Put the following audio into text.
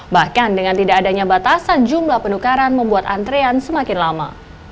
bahkan dengan tidak adanya batasan jumlah penukaran membuat antrean semakin lama